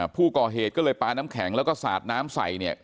ผู้ก่อเหตุก็เลยปลาน้ำแข็งแล้วก็สาดน้ำใส่เนี่ย